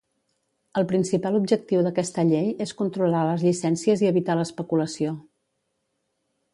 El principal objectiu d'aquesta llei és controlar les llicències i evitar l'especulació.